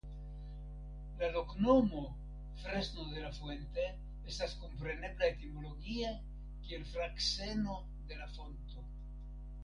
La loknomo "Fresno de la Fuente" estas komprenebla etimologie kiel Frakseno de la Fonto.